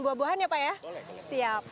buah buahan ya pak ya siap